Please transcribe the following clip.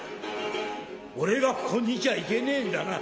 俺がここに居ちゃいけねえんだな。